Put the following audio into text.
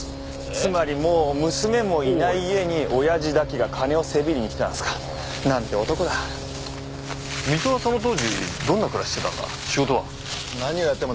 つまりもう娘もいない家におやじだけが金をせびりに来てたんですかなんて男だ水戸はその当時どんな暮らししてたんだ？